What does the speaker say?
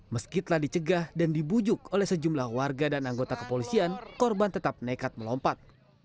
meski telah dicegah dan dibujuk oleh sejumlah warga dan anggota kepolisian korban tetap nekat melompat